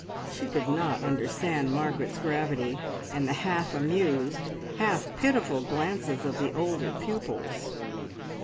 She could not understand Margaret's gravity, and the half amused, half pitiful glances of the older pupils.